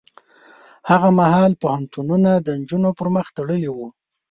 هغه مهال پوهنتونونه د نجونو پر مخ تړلي وو.